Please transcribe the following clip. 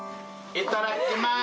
いたらきまーす。